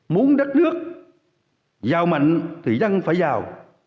muốn đất nước giàu mạnh thì dân phải giàu